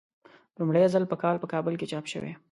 لومړی ځل په کال په کابل کې چاپ شوی.